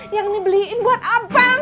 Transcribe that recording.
yang dibeliin buat abang